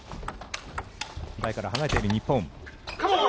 台から離れている日本。